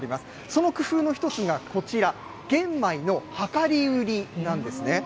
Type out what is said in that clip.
その工夫の一つがこちら、玄米の量り売りなんですね。